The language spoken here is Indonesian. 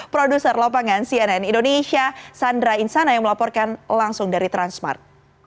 produser lapangan cnn indonesia sandra insana yang melaporkan langsung dari transmart